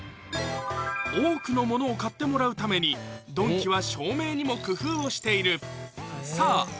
多くのものを買ってもらうためにドンキは照明にも工夫をしているさあそれは何？